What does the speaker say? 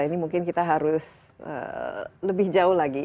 ini mungkin kita harus lebih jauh lagi